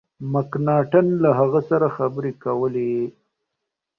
مکناټن له هغه سره خبري کولې.